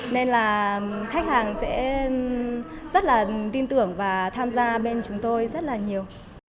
nên là khách hàng sẽ rất là tin tưởng và tham gia bên chúng tôi rất là nhiều